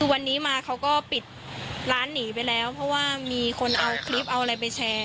วันนี้มาเขาก็ปิดร้านหนีไปแล้วเพราะว่ามีคนเอาคลิปเอาอะไรไปแชร์